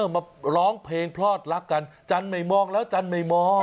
มาร้องเพลงพลอดรักกันจันทร์ไม่มองแล้วจันทร์ไม่มอง